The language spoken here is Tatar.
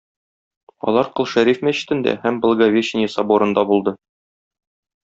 Алар Кол Шәриф мәчетендә һәм Благовещение соборында булды.